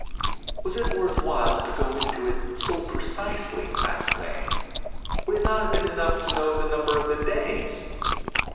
"Was it worth while to go into it so precisely?" asked May. "Would it not have been enough to know the number of the days?"